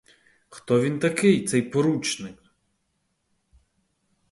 Хто він такий, цей поручник?